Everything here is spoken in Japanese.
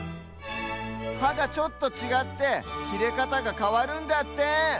はがちょっとちがってきれかたがかわるんだって！